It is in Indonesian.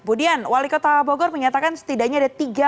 bu dian wali kota bogor menyatakan setidaknya ada tiga